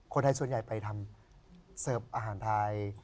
คนไทยส่วนใหญ่ไปทำเสิร์ฟอาหารไทย